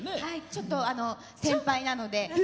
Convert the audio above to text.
ちょっと、先輩なので。